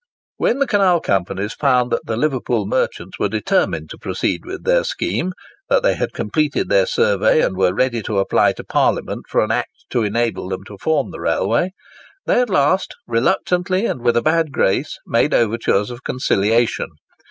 When the canal companies found that the Liverpool merchants were determined to proceed with their scheme—that they had completed their survey, and were ready to apply to Parliament for an Act to enable them to form the railway—they at last reluctantly, and with a bad grace, made overtures of conciliation.